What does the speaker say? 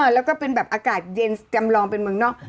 แล้วก็เป็นแบบอากาศเย็นจำลองเป็นเมืองนอก